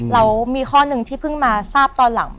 แล้วมีข้อหนึ่งที่เพิ่งมาทราบตอนหลัง